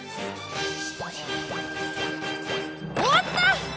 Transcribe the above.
終わった！